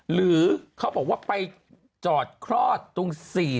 หรือเขาบอกว่าไปจอดคลอดตรง๔